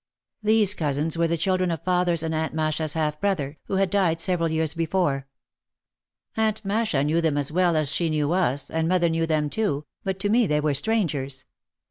These cousins were the children of father's and Aunt Masha's half brother, who had died several years before. Aunt Masha knew them as well as she knew us, and mother knew them too, but to me they were strangers.